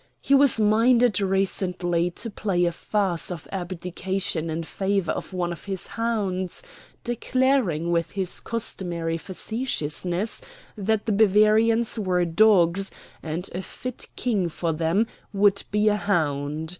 "He was minded recently to play a farce of abdication in favor of one of his hounds, declaring with his customary facetiousness that the Bavarians were dogs, and a fit King for them would be a hound.